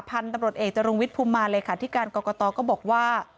พันธุ์ตำรวจเอกจรุงวิทย์ภูมิมาเลยค่ะที่การกรกตก็บอกว่า